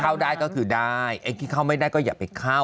ไข้ถือก็ได้ไอ้ที่เข้าไม่ได้ก็อย่าเข้า